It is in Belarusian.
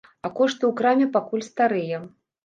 А кошты ў краме пакуль старыя.